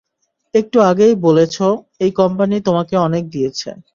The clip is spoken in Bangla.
একটু আগেই বলেছ এই কোম্পানি তোমাকে অনেক দিয়েছে।